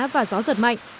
và gió giật mạnh